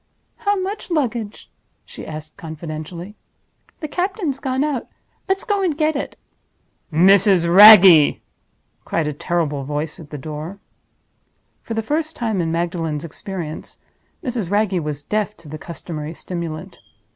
"How much luggage?" she asked, confidentially. "The captain's gone out. Let's go and get it!" "Mrs. Wragge!" cried a terrible voice at the door. For the first time in Magdalen's experience, Mrs. Wragge was deaf to the customary stimulant.